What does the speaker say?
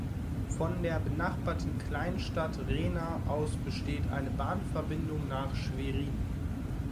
Von der benachbarten Kleinstadt Rehna aus besteht eine Bahnverbindung nach Schwerin.